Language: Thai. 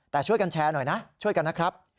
แต่ช่วยกันแชร์หน่อยนะช่วยกันนะครับ